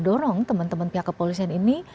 dorong teman teman pihak kepolisian ini